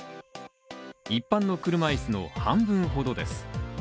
一般の車いすの半分ほどです。